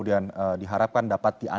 jadi terima kasih